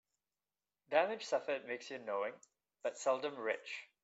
Damage suffered makes you knowing, but seldom rich.